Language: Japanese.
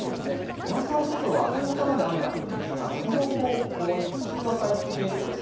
小笠原諸島は明け方まで雨が降るんですがその後、日中は回復傾向です。